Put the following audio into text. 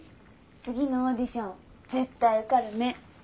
次のオーディション絶対受かるね。